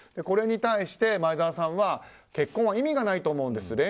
これに対して、前澤さんは結婚は意味がないと思うんです。